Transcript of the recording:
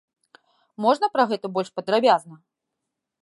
Можна пра гэта больш падрабязна?